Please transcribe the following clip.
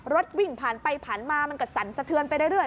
รถวิ่งผ่านไปผ่านมามันก็สั่นสะเทือนไปเรื่อย